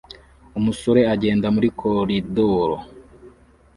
Umusore agenda muri koridoro